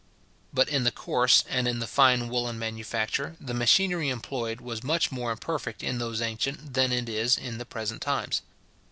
Both in the coarse and in the fine woollen manufacture, the machinery employed was much more imperfect in those ancient, than it is in the present times.